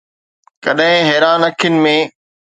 ڪڏهن حيران اکين ۾